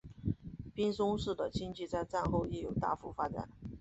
滨松市的经济在战后亦有大幅发展。